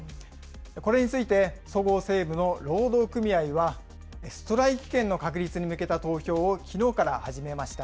これについて、そごう・西武の労働組合は、ストライキ権の確立に向けた投票をきのうから始めました。